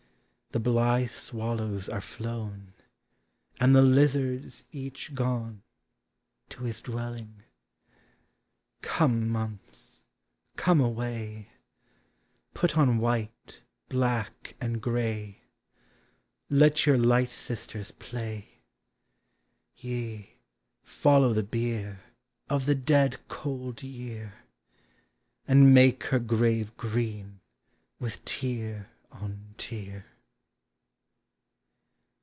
171 The blithe swallows are flown, and the lizards each gone To his dwelling; Come, months, come away, Put on white, black, and gray; Let your light sisters play — Ye, follow the bier Of the dead cold year, And make her grave green with tear on tear.